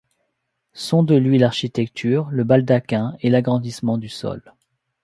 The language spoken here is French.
Sont de lui l'architecture, le baldaquin et l'agrandissement du sol.